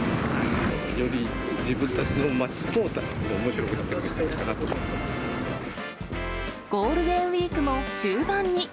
より自分たちの町も、おもしろくなってくるんじゃないかなと思いゴールデンウィークも終盤に。